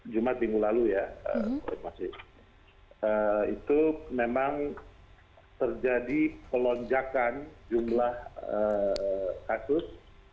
jumat minggu lalu ya itu memang terjadi pelonjakan jumlah kasus